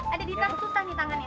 ada di tangan susah nih tangannya